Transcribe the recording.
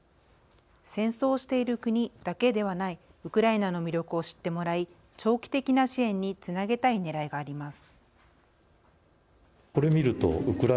戦争をしている国だけではないウクライナの魅力を知ってもらい長期的な支援につなげたいねらいがあります。